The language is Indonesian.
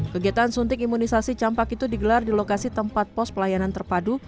kegiatan suntik imunisasi campak itu digelar di lokasi tempat pos pelayanan terpadu